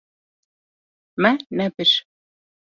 Me nebir.